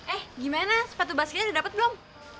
eh gimana sepatu baskinnya udah dapet belum